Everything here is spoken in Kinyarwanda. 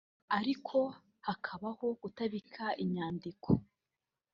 ariko hakabaho kutabika inyandiko